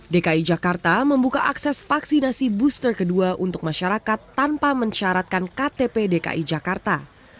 dki jakarta membuka akses vaksinasi booster kedua untuk masyarakat tanpa mensyaratkan ktp dki jakarta